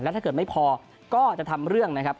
ถ้าเกิดไม่พอก็จะทำเรื่องนะครับ